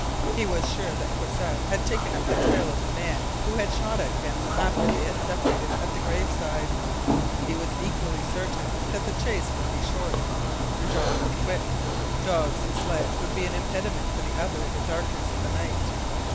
He was sure that Croisset had taken up the trail of the man who had shot at him soon after they had separated at the gravesides. He was equally certain that the chase would be short. Jean was quick. Dogs and sledge would be an impediment for the other in the darkness of the night.